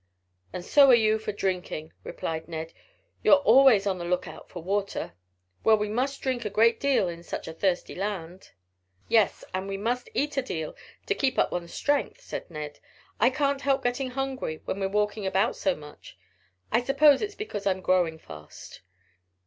"And so are you for drinking," replied Ned. "You're always on the lookout for water." "Well, we must drink a great deal in such a thirsty land." "Yes, and we must eat a deal to keep up one's strength," said Ned. "I can't help getting hungry when we're walking about so much. I suppose it's because I'm growing fast."